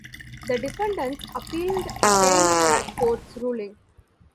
The defendants appealed against that court's ruling.